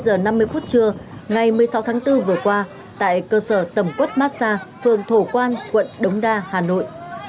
vào khoảng một mươi hai giờ năm mươi phút trưa ngày một mươi sáu tháng bốn vừa qua tại cơ sở tẩm quất massa phường thổ quang quận đống đa hà nội